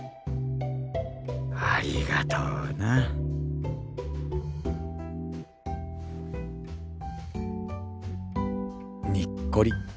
ありがとうな。にっこり。